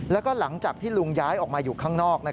แล้วก็หลังจากที่ลุงย้ายออกมาอยู่ข้างนอก